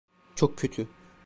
Çok kötü.